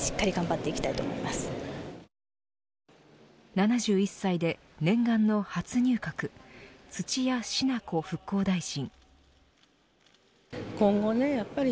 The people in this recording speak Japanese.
７１歳で念願の初入閣土屋品子復興大臣。